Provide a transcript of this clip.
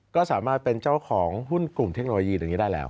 ก็สามารถเป็นเจ้าของหุ้นกลุ่มเทคโนโลยีอย่างนี้ได้แล้ว